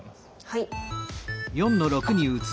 はい。